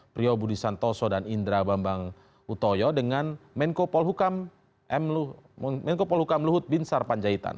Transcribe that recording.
prio budi santoso dan indra bambang utoyo dengan menko polukam luhut bin sarpanjaitan